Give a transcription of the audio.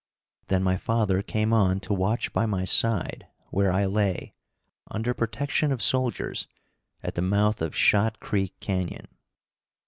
Then my father came on to watch by my side, where I lay, under protection of soldiers, at the mouth of Shot Creek canyon.